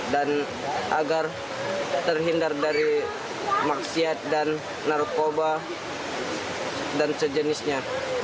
dan agar terhindar dari maksiat dan narkoba dan sejenisnya